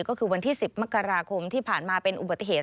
ก็คือวันที่๑๐มกราคมที่ผ่านมาเป็นอุบัติเหตุ